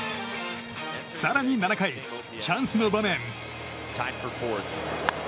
更に７回、チャンスの場面。